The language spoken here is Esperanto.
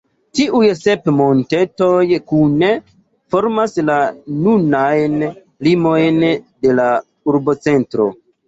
Tiuj sep montetoj kune formas la nunajn limojn de la urbocentro.